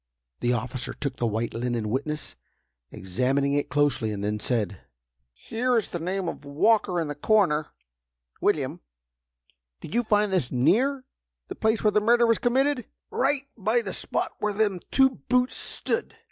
The officer took the white linen witness, examining it closely, and then said: "Here is the name of 'Walker,' in the corner. William, did you find this near the place where the murder was committed?" "Right by the spot where them two boots stood!"